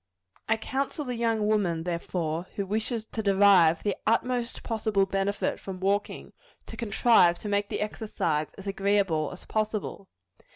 I counsel the young woman, therefore, who wishes to derive the utmost possible benefit from walking, to contrive to make the exercise as agreeable as possible.